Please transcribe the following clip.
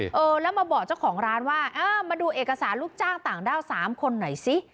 เออแล้วมาบอกเจ้าของร้านว่าเออมาดูเอกสารลูกจ้างต่างด้าวสามคนหน่อยสิ